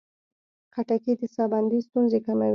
خټکی د ساه بندي ستونزې کموي.